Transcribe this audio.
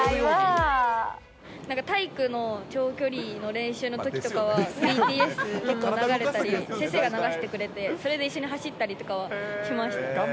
なんか体育の長距離の練習のときとかは、ＢＴＳが流れたり、先生が流してくれて、それで一緒に走ったりとかはしました。